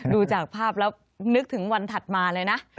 ดูจากภาพแล้วนึกถึงวันถัดมาเลยนะ